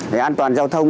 để an toàn giao thông